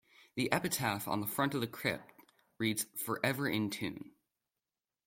The epitaph on the front of the crypt reads "Forever In Tune".